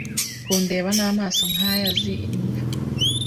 kundeba n'amaso nkaya azi, imva